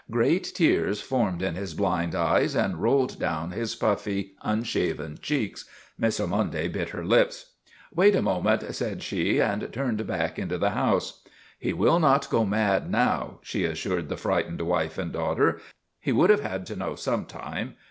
Great tears formed in his blind eyes and rolled down his puffy, unshaven cheeks. Miss Or monde bit her lips. Wait a moment/' said she, and turned back into the house. 1 He will not go mad now," she assured the frightened wife and daughter. " He would have had to know some time.